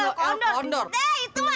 ya allah aku ngomel dari tadi